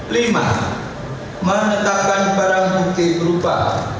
lima menetapkan barang bukti berupa